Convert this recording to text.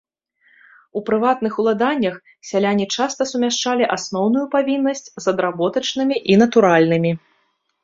У прыватных уладаннях сяляне часта сумяшчалі асноўную павіннасць з адработачнымі і натуральнымі.